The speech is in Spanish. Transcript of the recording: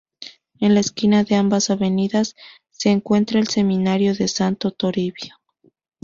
En la esquina de ambas avenidas se encuentra el Seminario de Santo Toribio.